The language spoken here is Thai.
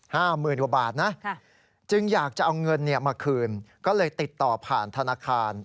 หมื่นกว่าบาทนะค่ะจึงอยากจะเอาเงินเนี่ยมาคืนก็เลยติดต่อผ่านธนาคาร